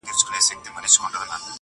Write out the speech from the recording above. • ښکاري کله وي په غم کي د مرغانو -